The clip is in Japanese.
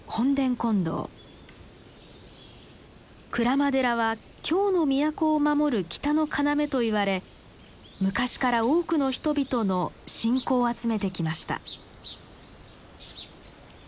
鞍馬寺は京の都を守る北の要と言われ昔から多くの人々の信仰を集めてきました。